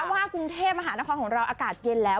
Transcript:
ว่ากรุงเทพมหานครของเราอากาศเย็นแล้ว